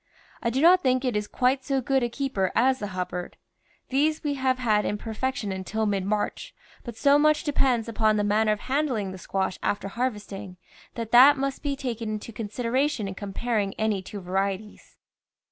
I do not think it is quite so good a keeper as the Hubbard; these we have had in perfection until mid March, but so much de pends upon the manner of handling the squash after harvesting that that must be taken into con sideration in comparing any two varieties.